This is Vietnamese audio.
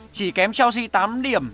chỉ kém chelsea tám điểm